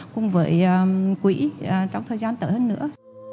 cùng với quỹ trong thời gian tới hơn nữa